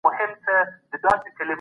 لامبو د بدن ټولو عضلاتو لپاره کار کوي.